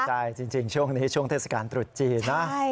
ใช่จริงช่วงนี้ช่วงเทศกาลตรุษจีนนะ